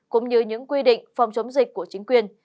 cũng như những quy định phòng chống dịch của chính quyền